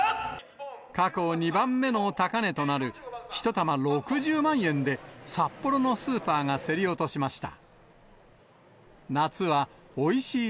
過去２番目の高値となる、１玉６０万円で札幌のスーパーが競り落としました。